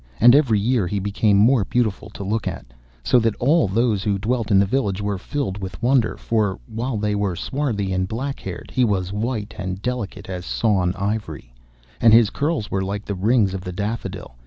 And every year he became more beautiful to look at, so that all those who dwelt in the village were filled with wonder, for, while they were swarthy and black haired, he was white and delicate as sawn ivory, and his curls were like the rings of the daffodil.